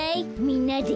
みんなで。